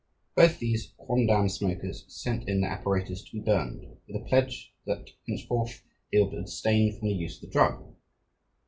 Both these quondam smokers sent in their apparatus to be burned, with a pledge that henceforth they would abstain from the use of the drug.